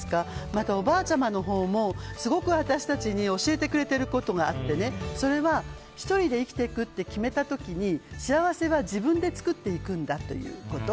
また、ばあちゃまのほうもすごく私たちに教えてくれていることがあってそれは、１人で生きていくって決めた時に幸せは自分で作っていくんだということ。